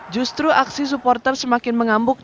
justru aksi supporter semakin mengambuk